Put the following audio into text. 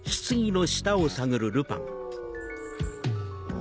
あ？